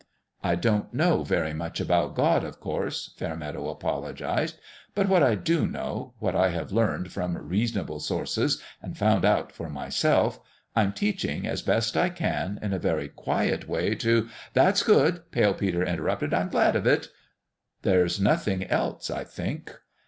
" I don't know very much about God, of course," Fairmeadow apologized ;" but what I do know what I have learned from reasonable sources and found out for myself I'm teaching, as best I can, in a very quiet way, to "" That's good !" Pale Peter interrupted. " I'm glad of it !"" There's nothing else, I think."